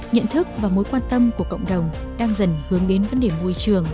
nhận thức và mối quan tâm của cộng đồng đang dần hướng đến vấn đề môi trường